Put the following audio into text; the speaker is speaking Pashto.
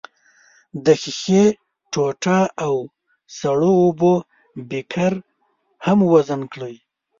د ښيښې ټوټه او سړو اوبو بیکر هم وزن کړئ.